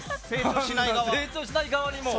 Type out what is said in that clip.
成長しない側に。